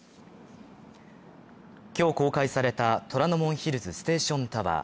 今日公開された虎ノ門ヒルズステーションタワー。